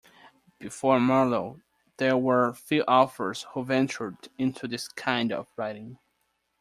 Before Marlowe, there were few authors who ventured into this kind of writing.